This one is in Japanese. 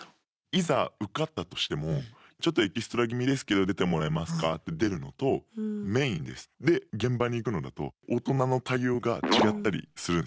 いざ受かったとしても「ちょっとエキストラ気味ですけど出てもらえますか」って出るのと「メインです」で現場に行くのだと大人の対応が違ったりするんですよ。